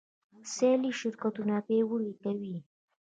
سیالي شرکتونه پیاوړي کوي.